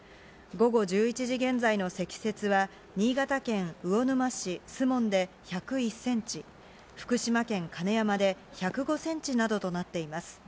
午後１１時現在の積雪は、新潟県魚沼市守門で１０１センチ、福島県金山で１０５センチなどとなっています。